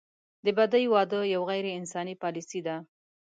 د بدۍ واده یوه غیر انساني پالیسي ده.